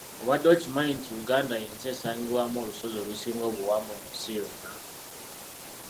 Obadde okimanyi nti Uganda y’ensi esangibwaamu olusozi olusinga obuwanvu mu nsi yonna.